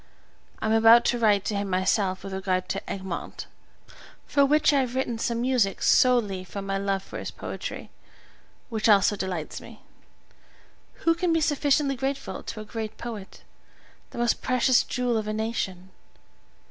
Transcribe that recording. I am about to write to him myself with regard to "Egmont," for which I have written some music solely from my love for his poetry, which always delights me. Who can be sufficiently grateful to a great poet, the most precious jewel of a nation!